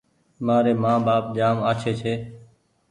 مآري مآن ٻآپ جآم آڇي ڇي